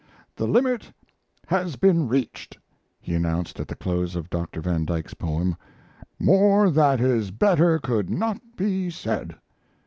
"The limit has been reached," he announced at the close of Dr. van Dyke's poem. "More that is better could not be said.